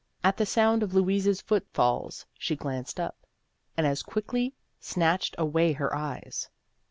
At the sound of Louise's foot falls, she glanced up, and as quickly snatched away her eyes.